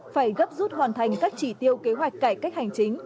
phải gấp rút hoàn thành các chỉ tiêu kế hoạch cải cách hành chính